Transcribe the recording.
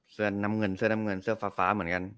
เสื้อน้ำเงินเสื้อน้ำเงินเสื้อฟ้าเหมือนกัน